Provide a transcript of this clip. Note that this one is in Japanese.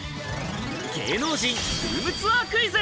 芸能人ルームツアークイズ！